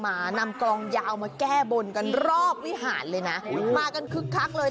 มานำกลองยาวมาแก้บนกันรอบวิหารเลยนะมากันคึกคักเลย